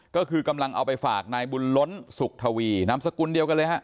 ก็คือกำลังเอาไปฝากนายบุญล้นสุขทวีนามสกุลเดียวกันเลยฮะ